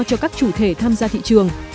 cho các chủ thể tham gia thị trường